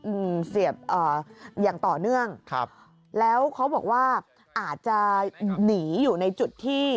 อืมเสียบเอ่ออย่างต่อเนื่องครับแล้วเขาบอกว่าอาจจะหนีอยู่ในจุดที่